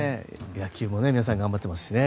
野球も皆さん頑張ってますしね。